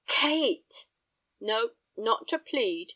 "Kate!" "No, not to plead.